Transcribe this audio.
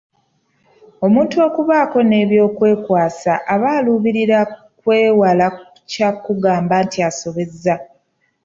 Omuntu okubaako n'eby'okwekwasa aba aluubirira kwewala kya kugamba nti asobezza.